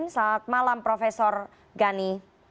selamat malam profesor gani